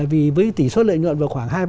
vì với tỷ suất lợi nhuận vào khoảng hai ba